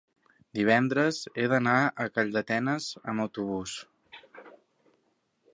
divendres he d'anar a Calldetenes amb autobús.